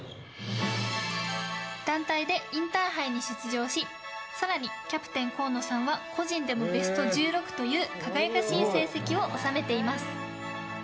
団体でインターハイに出場し更にキャプテン河野さんは個人でもベスト１６という輝かしい成績を収めています。